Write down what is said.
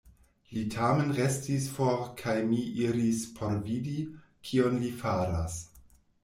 Li tamen restis for kaj mi iris por vidi, kion li faras.